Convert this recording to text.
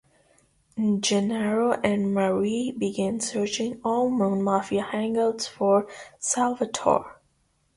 Gennaro and Marie begin searching all known mafia hangouts for Salvatore.